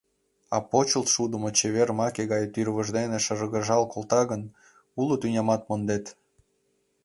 А почылт шудымо чевер маке гай тӱрвыж дене шыргыжал колта гын, уло тӱнямат мондет.